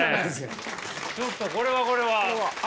ちょっとこれはこれは。